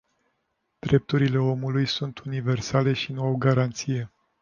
Drepturile omului sunt universale și nu au granițe.